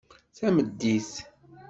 Tameddit